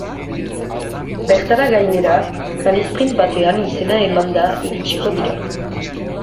Bertara, gainera, rallysprint batean izena emanda iritsiko dira.